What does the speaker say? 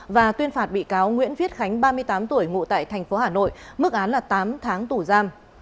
và tuyên phạt bị cáo nguyễn viết khánh ba mươi tám tuổi ngụ tại thành phố hà nội mức án là tám tháng tù giam